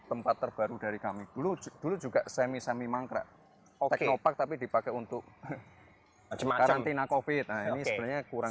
enggak semi semi mangkrak oke opak tapi dipakai untuk macam macam tina kovid ini sebenarnya kurang